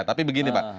tapi begini pak